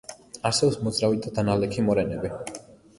არსებობს მოძრავი და დანალექი მორენები.